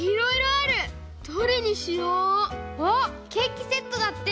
あっケーキセットだって！